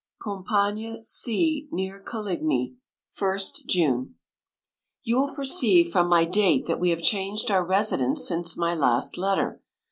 Campagne C near Coligny> 1st June. You will perceive from my date that we have changed our residence since my last letter.